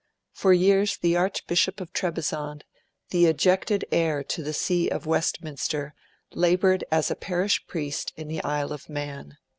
For years the Archbishop of Trebizond, the ejected heir to the See of Westminster, laboured as a parish priest in the Isle of Man.